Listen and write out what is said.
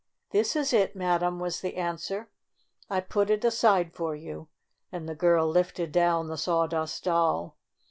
"This is it, Madam," was the answer. "I put it aside for you," and the girl lifted down the Sawdust Doll.